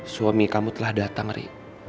suami kamu telah datang ri